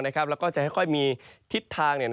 แล้วก็จะค่อยมีทิศทาง